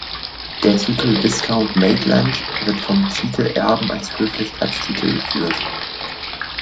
Der Titel "Viscount Maitland" wird vom Titelerben als Höflichkeitstitel geführt.